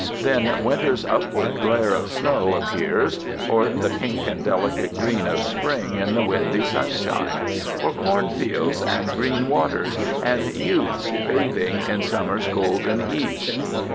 Then Winter's upward glare of snow appears; or the pink and delicate green of Spring in the windy sunshine; or cornfields and green waters, and youths bathing in Summer's golden heats.